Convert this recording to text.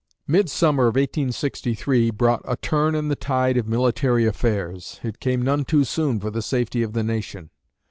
Midsummer of 1863 brought a turn in the tide of military affairs. It came none too soon for the safety of the nation.